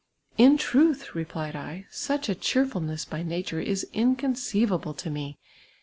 "In tnith,*' replied I, "such a cheerfulness by nature is inconceivable to me.